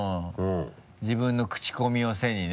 自分のクチコミを背にね。